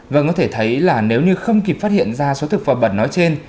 vâng có thể thấy là nếu như không kịp phát hiện ra số thực phẩm bẩn nói trên